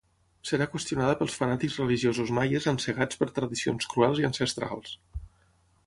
Serà qüestionada pels fanàtics religiosos maies encegats per tradicions cruels i ancestrals.